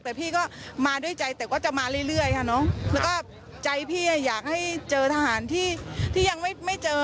แต่พี่ก็มาด้วยใจแต่ก็จะมาเรื่อยค่ะเนอะแล้วก็ใจพี่อยากให้เจอทหารที่ที่ยังไม่เจอ